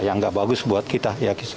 yang gak bagus buat kita